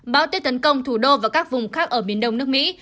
bão tuyết tấn công thủ đô và các vùng khác ở miền đông nước mỹ